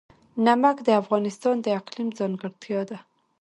نمک د افغانستان د اقلیم ځانګړتیا ده.